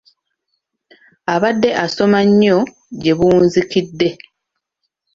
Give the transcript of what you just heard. Abadde asoma nnyo gye buwunzikidde.